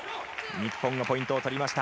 日本がポイントを取りました。